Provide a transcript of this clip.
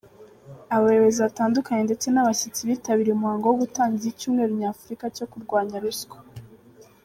Abayobozi batandukanye ndetse n’abashyitsi bitabiriye umuhango wo gutangiza icyumweru nyafurika cyo kurwanya ruswa.